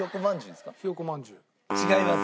違います。